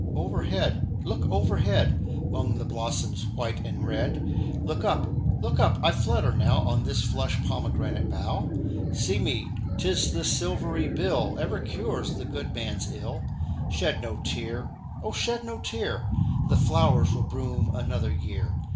Overhead! look overhead, 'Mong the blossoms white and red Look up, look up I flutter now On this flush pomegranate bough. See me! 'tis this silvery bill Ever cures the good man's ill. Shed no tear! O shed no tear! The flowers will bloom another year.